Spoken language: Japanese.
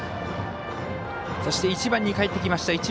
そして１番にかえってきました。